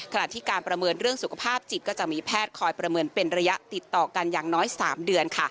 ขณะที่การประเมินเรื่องสุขภาพจิตก็จะมีแพทย์คอยประเมินเป็นระยะติดต่อกันอย่างน้อย๓เดือน